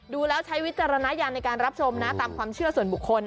ดูแล้วใช้วิจารณญาณในการรับชมนะตามความเชื่อส่วนบุคคล